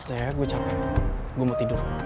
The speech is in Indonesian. udah ya gue capek gue mau tidur